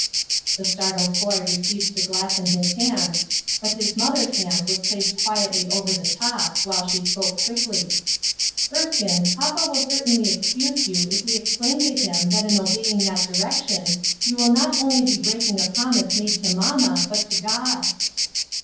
The startled boy received the glass in his hands, but his mother's hand was placed quietly over the top, while she spoke quickly, —" Erskine, papa will certainly excuse you if we explain to him that in obeying that direction you will not only be breaking a promise made to mamma, but to God."